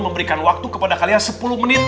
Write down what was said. memberikan waktu kepada kalian sepuluh menit